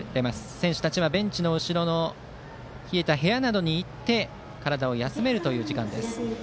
選手たちはベンチ後ろの冷えた部屋などに行って体を休めるという時間です。